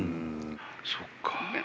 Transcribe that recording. そっか。